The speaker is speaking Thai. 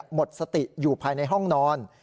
หมดสติอยู่ภายในห้องนอน